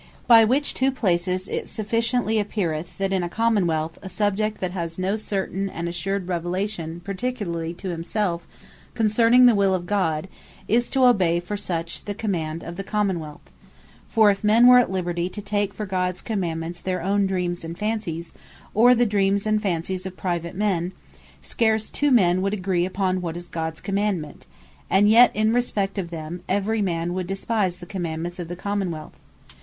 By which two places it sufficiently appeareth, that in a Common wealth, a subject that has no certain and assured Revelation particularly to himself concerning the Will of God, is to obey for such, the Command of the Common wealth: for if men were at liberty, to take for Gods Commandements, their own dreams, and fancies, or the dreams and fancies of private men; scarce two men would agree upon what is Gods Commandement; and yet in respect of them, every man would despise the Commandements of the Common wealth.